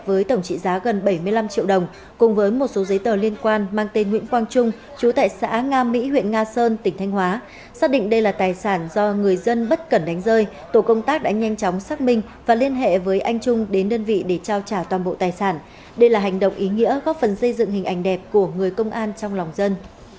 với tổng trị giá gần bảy mươi năm triệu đồng cùng với một số giấy tờ liên quan mang tên nguyễn quang trung chú tài sản nga mỹ huyện nga sơn tỉnh thanh hóa xác định đây là tài sản do người dân bất cẩn đánh rơi tổ công tác đã nhanh chóng xác minh và liên hệ với anh trung đến đơn vị để trao trả toàn bộ tài sản đây là hành động ý nghĩa góp phần xây dựng hình ảnh đẹp của người công an trong lòng dân